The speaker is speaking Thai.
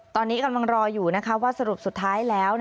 ตอนนี้กำลังรออยู่นะคะว่าสรุปสุดท้ายแล้ว